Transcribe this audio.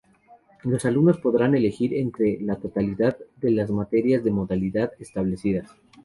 Los alumnos podrán elegir entre la totalidad de las materias de modalidad establecidas.